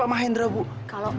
aku akan terus jaga kamu